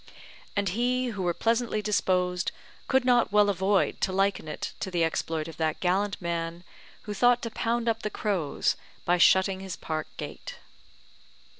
And he who were pleasantly disposed could not well avoid to liken it to the exploit of that gallant man who thought to pound up the crows by shutting his park gate.